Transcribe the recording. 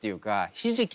ひじき。